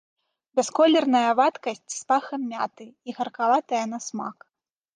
Бясколерная вадкасць з пахам мяты і гаркаватая на смак.